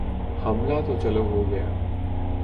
حملہ تو چلو ہو گیا۔